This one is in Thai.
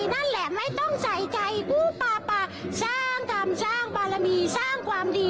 นั่นแหละไม่ต้องใส่ใจกู้ป่าปาสร้างกรรมสร้างบารมีสร้างความดี